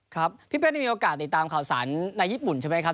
ครับพี่เป๊กนี่มีโอกาสติดตามข่าวสารในญี่ปุ่นใช่ไหมครับ